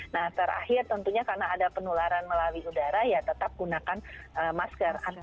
nah terakhir tentunya karena ada penularan melalui udara ya tetap gunakan masker